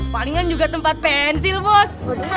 palingan juga tempat pensil bos